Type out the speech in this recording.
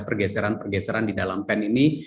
pergeseran pergeseran di dalam pen ini